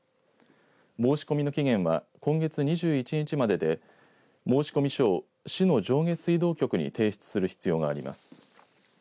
申し込みの期限は今月２１日までで申し込み書を市の上下水道局に提出する必要があります。